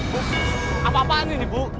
terus apa apaan ini bu